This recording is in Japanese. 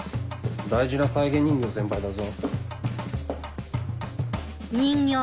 大事な再現人形先輩だぞ。